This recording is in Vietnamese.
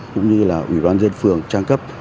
cũng như là ủy ban dân phường trang cấp